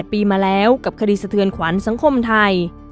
ปีมาแล้วกับคดีสะเทือนขวัญสังคมไทย